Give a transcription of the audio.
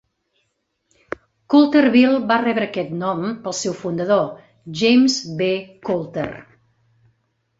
Coulterville va rebre aquest nom pel seu fundador, James B. Coulter.